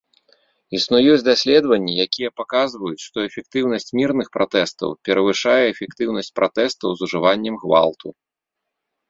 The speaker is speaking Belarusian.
Існуюць даследаванні, якія паказваюць, што эфектыўнасць мірных пратэстаў перавышае эфектыўнасць пратэстаў з ужываннем гвалту.